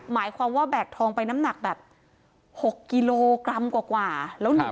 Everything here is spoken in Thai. หมายความว่าแบกทองไปน้ำหนักแบบ๖กิโลกรัมกว่าแล้วหนี